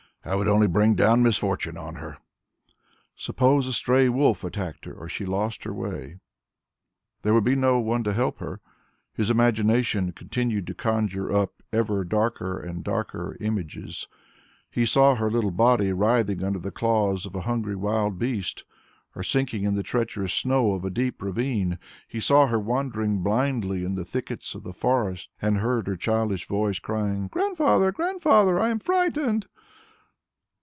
"I would only bring down misfortune on her." Suppose a stray wolf attacked her, or she lost her way? There would be no one to help her. His imagination continued to conjure up ever darker and darker images. He saw her little body writhing under the claws of a hungry wild beast, or sinking in the treacherous snow of a deep ravine; he saw her wandering blindly in the thickets of the forest and heard her childish voice crying, "Grandfather, Grandfather, I am frightened!"